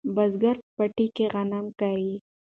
بزګر په پټي کې غنم کري.